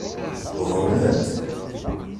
Ḍelment.